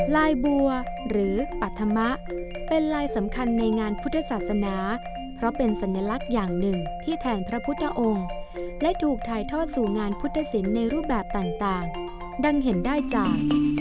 ลายบัวหรือปัธมะเป็นลายสำคัญในงานพุทธศาสนาเพราะเป็นสัญลักษณ์อย่างหนึ่งที่แทนพระพุทธองค์และถูกถ่ายทอดสู่งานพุทธศิลป์ในรูปแบบต่างดังเห็นได้จาก